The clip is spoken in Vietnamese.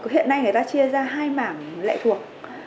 hiện nay người ta chia ra hai mảng lệ thuộc